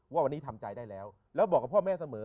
ว่าวันนี้ทำใจได้แล้วแล้วบอกกับพ่อแม่เสมอ